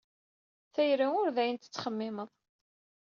Tayri ur d ayen tettxemmimed.